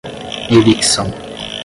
evicção